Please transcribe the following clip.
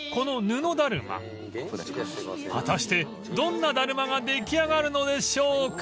［果たしてどんなだるまが出来上がるのでしょうか？］